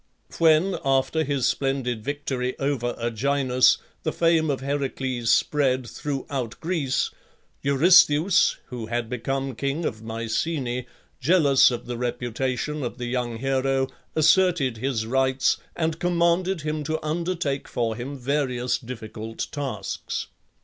When, after his splendid victory over Erginus, the fame of Heracles spread throughout Greece, Eurystheus (who had become king of Mycenæ), jealous of the reputation of the young hero, asserted his rights, and commanded him to undertake for him various difficult tasks.